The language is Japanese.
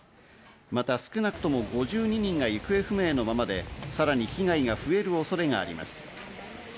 また、少なくとも５２人が行方不明のままで、さらに被害が増える恐れがあります。